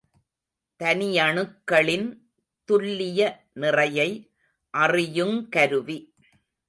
தனியணுக்களின் துல்லிய நிறையை அறியுங் கருவி.